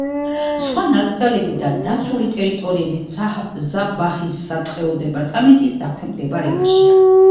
სხვა ნაკრძალები და დაცული ტერიტორიები საბაჰის სატყეო დეპარტამენტის დაქვემდებარებაშია.